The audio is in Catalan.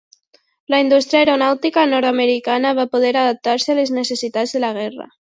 La indústria aeronàutica nord-americana va poder adaptar-se a les necessitats de la guerra.